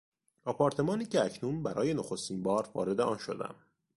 آپارتمانی که اکنون برای نخستین بار وارد آن شدم